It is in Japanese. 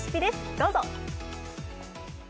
どうぞ。